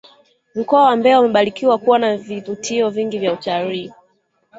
mkoa wa mbeya umebarikiwa kuwa na vivutio vingi vya utalii